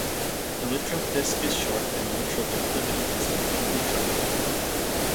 Elytral disc is short and elytral declivity is obliquely truncate.